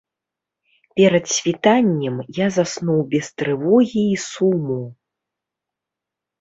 Перад світаннем я заснуў без трывогі і суму.